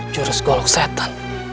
jurus golok setan